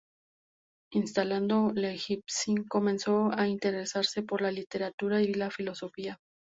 Instalado en Leipzig, comenzó a interesarse por la literatura y la filosofía.